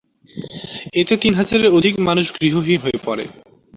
এতে তিন হাজারের অধিক মানুষ গৃহহীন হয়ে পড়ে।